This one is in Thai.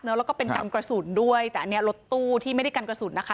แล้วก็เป็นกันกระสุนด้วยแต่อันนี้รถตู้ที่ไม่ได้กันกระสุนนะคะ